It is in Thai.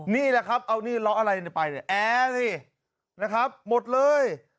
นี่แหละครับเอานี่ล้ออะไรไปเนี่ยแอร์สินะครับหมดเลย